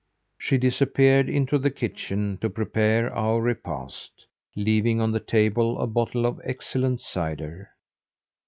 She disappeared into the kitchen to prepare our repast, leaving on the table a bottle of excellent cider.